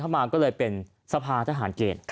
มาก็เลยเป็นสภาทหารเกณฑ์